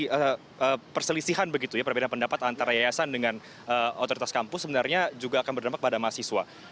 jadi perselisihan begitu ya perbedaan pendapat antara yayasan dengan otoritas kampus sebenarnya juga akan berdampak pada mahasiswa